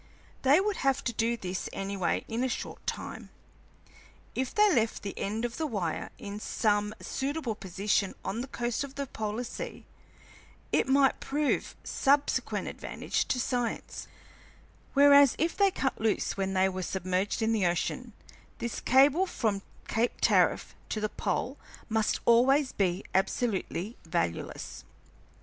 They would have to do this anyway in a short time. If they left the end of the wire in some suitable position on the coast of the polar sea, it might prove of subsequent advantage to science, whereas if they cut loose when they were submerged in the ocean, this cable from Cape Tariff to the pole must always be absolutely valueless.